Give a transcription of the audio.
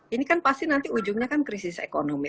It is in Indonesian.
ini kan pasti nanti ujungnya kan krisis ekonomi